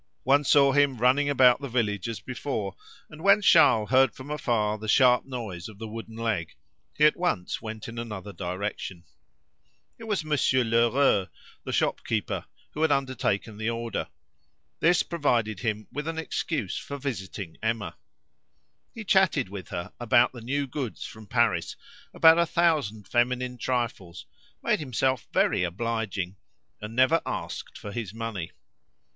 One saw him running about the village as before, and when Charles heard from afar the sharp noise of the wooden leg, he at once went in another direction. It was Monsieur Lheureux, the shopkeeper, who had undertaken the order; this provided him with an excuse for visiting Emma. He chatted with her about the new goods from Paris, about a thousand feminine trifles, made himself very obliging, and never asked for his money.